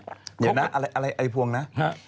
ยังนะอะไรพวงอายพวงนะ